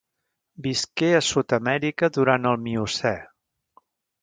Visqué a Sud-amèrica durant el Miocè.